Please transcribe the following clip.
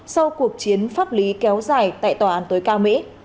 sau cuộc chiến pháp lý kéo dài tại tòa án tối cao mỹ